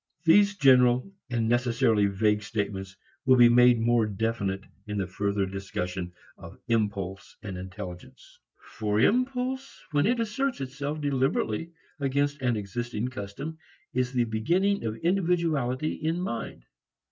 These general and necessarily vague statements will be made more definite in the further discussion of impulse and intelligence. For impulse when it asserts itself deliberately against an existing custom is the beginning of individuality in mind.